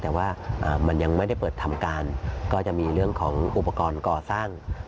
แต่ว่ามันยังไม่ได้เปิดทำการก็จะมีเรื่องของอุปกรณ์ก่อสร้าง